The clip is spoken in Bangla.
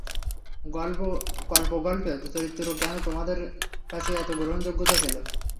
কল্পগল্পের চরিত্র কেন তোমাদের কাছে এত গ্রহণযোগ্যতা পেল?